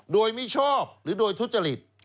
โดยมิชอบหรือโดยทุจริต